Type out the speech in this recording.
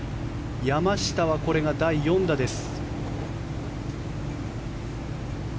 山下はこれが第４打です。